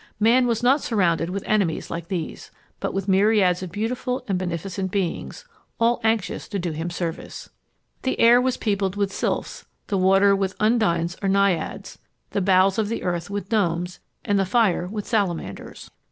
Man was not surrounded with enemies like these, but with myriads of beautiful and beneficent beings, all anxious to do him service. The air was peopled with sylphs, the water with undines or naiads, the bowels of the earth with gnomes, and the fire with salamanders.